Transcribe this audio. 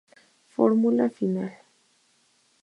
Fórmula final, v.